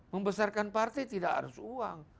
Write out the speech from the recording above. membesarkan partai tidak harus uang